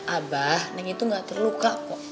abah nah itu gak terluka kok